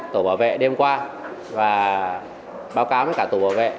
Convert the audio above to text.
tổ bảo vệ đêm qua và báo cáo với cả tổ bảo vệ